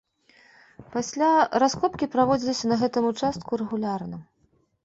Пасля раскопкі праводзіліся на гэтым участку рэгулярна.